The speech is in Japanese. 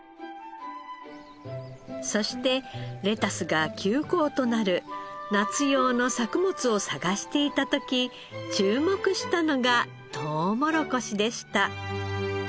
そしてレタスが休耕となる夏用の作物を探していた時注目したのがとうもろこしでした。